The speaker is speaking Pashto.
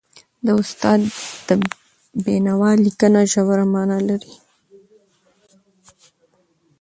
د استاد د بينوا لیکنه ژوره معنا لري.